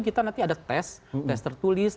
kita nanti ada tes tes tertulis